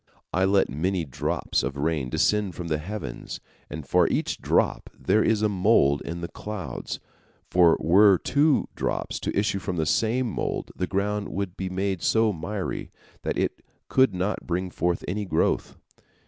I let many drops of rain descend from the heavens, and for each drop there is a mould in the clouds, for were two drops to issue from the same mould, the ground would be made so miry that it could not bring forth any growth.